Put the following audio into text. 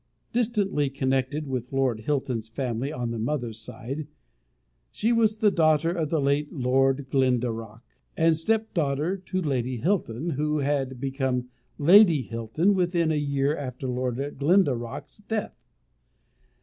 Distantly connected with Lord Hilton's family on the mother's side, she was the daughter of the late Lord Glendarroch, and step daughter to Lady Hilton, who had become Lady Hilton within a year after Lord Glendarroch's death.